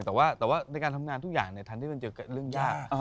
แต่ว่าในการทำงานทุกอย่างทันที่มันเจอเรื่องยาก